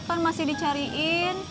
kan masih dicariin